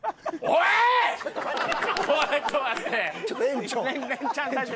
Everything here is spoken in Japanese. おい！